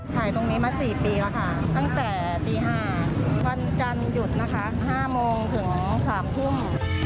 ขายตรงนี้มา๔ปีแล้วค่ะตั้งแต่ตี๕วันจันทร์หยุดนะคะ๕โมงถึง๓ทุ่ม